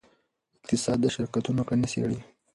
اقتصاد د شرکتونو کړنې څیړي.